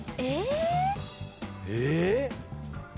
えっ！？